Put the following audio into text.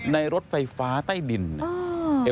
ในรถไฟฟ้าใต้ดินอ้าว